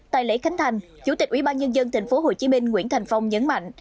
tại lễ khánh thành chủ tịch ubnd tp hcm nguyễn thành phong nhấn mạnh